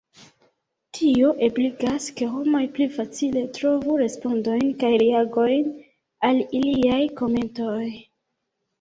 Tio ebligas, ke homoj pli facile trovu respondojn kaj reagojn al iliaj komentoj.